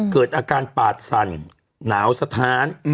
เกิดอาการปาดสั่นหนาวสะท้าน